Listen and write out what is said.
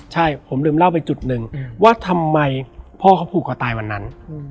ใช่ผมลืมเล่าไปจุดหนึ่งว่าทำไมพ่อเขาผูกคอตายวันนั้น